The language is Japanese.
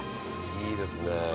「いいですね」